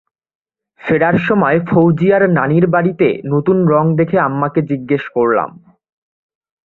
ফেরার সময় ফওজিয়ার নানির বাড়িতে নতুন রং দেখে আম্মাকে জিজ্ঞেস করলাম।